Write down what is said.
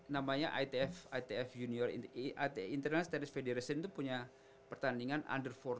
namanya itf itf junior international studies federation itu punya pertandingan under empat belas